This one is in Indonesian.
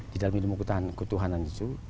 di dalam ilmu ketuhanan itu